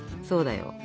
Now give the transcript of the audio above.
そうだよ。